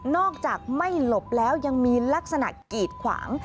อกจากไม่หลบแล้วยังมีลักษณะกีดขวาง